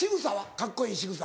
カッコいいしぐさ。